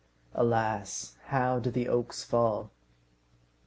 Alas! how do the oaks fall?